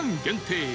限定